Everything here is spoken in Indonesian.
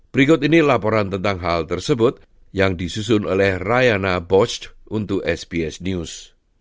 berikut ini laporan tentang hal tersebut yang disusun oleh rayana bosch untuk sbs news